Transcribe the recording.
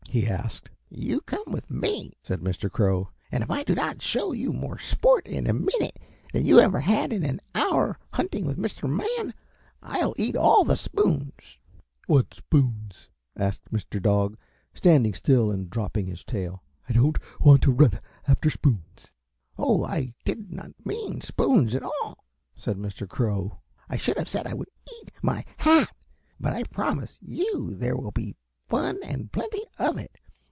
he asked. "You come with me," said Mr. Crow, "and if I do not show you more sport in a minute than you ever had in an hour hunting with Mr. Man, I'll eat all the spoons." "What spoons?" asked Mr. Dog, standing still and dropping his tail. "I don't want to run after spoons." "Oh, I did not mean spoons at all," said Mr. Crow. "I should have said I would eat my hat, but I promise you there will be fun and plenty of it.